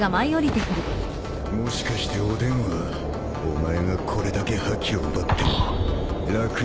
もしかしておでんはお前がこれだけ覇気を奪っても楽々と戦ってたのか？